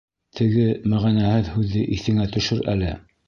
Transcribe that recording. Теге мәғәнәһеҙ һүҙҙе иҫеңә төшөр әле.